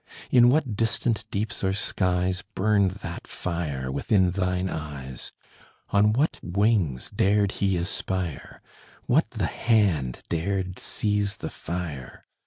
In what distant deeps or skies Burned that fire within thine eyes? On what wings dared he aspire? What the hand dared seize the fire?